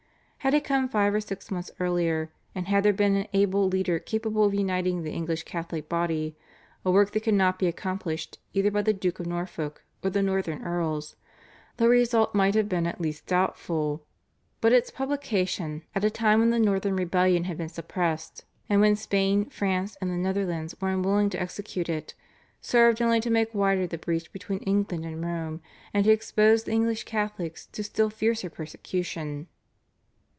Had it come five or six months earlier, and had there been an able leader capable of uniting the English Catholic body, a work that could not be accomplished either by the Duke of Norfolk or the Northern Earls, the result might have been at least doubtful; but its publication, at a time when the northern rebellion had been suppressed, and when Spain, France, and the Netherlands were unwilling to execute it, served only to make wider the breach between England and Rome, and to expose the English Catholics to still fiercer persecution.